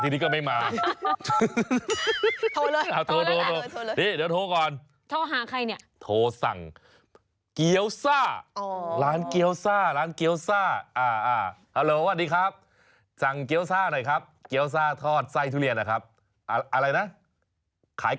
เดี๋ยวอีกงานนี้ต้องกินฮีลลิบเวอรีอยู่โทรสั่งได้เลย